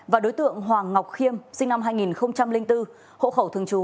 và đối tượng hoàng ngọc khiêm sinh năm hai nghìn bốn hộ khẩu thường trú